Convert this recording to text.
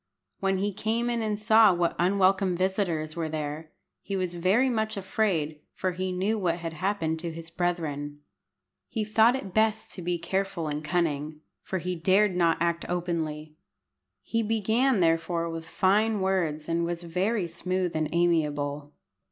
When he came in and saw what unwelcome visitors were there he was very much afraid, for he knew what had happened to his brethren. He thought it best to be careful and cunning, for he dared not act openly. He began therefore with fine words, and was very smooth and amiable.